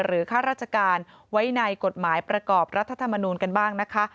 หรือฆ่าราชการไว้ในกฎหมายประกอบรัฐธรรมนูลกันบ้าง